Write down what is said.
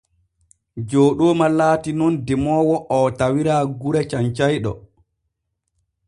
Jooɗooma laati nun demoowo oo tawira gure Cancayɗo.